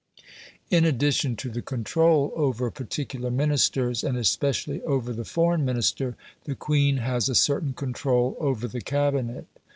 In addition to the control over particular Ministers, and especially over the Foreign Minister, the Queen has a certain control over the Cabinet.